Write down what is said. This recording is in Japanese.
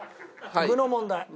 具の問題。